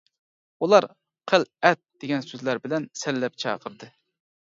ئۇلار «قىل، ئەت» دېگەن سۆزلەر بىلەن سەنلەپ چاقىردى.